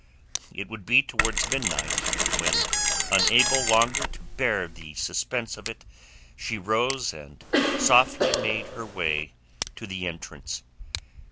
It would be towards midnight when unable longer to bear the suspense of it, she rose and softly made her way to the entrance.